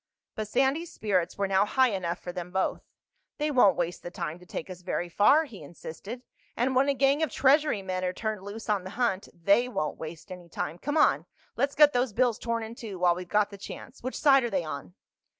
But Sandy's spirits were now high enough for them both. "They won't waste the time to take us very far," he insisted. "And when a gang of Treasury men are turned loose on the hunt, they won't waste any time. Come on. Let's get those bills torn in two while we've got the chance. Which side are they on?"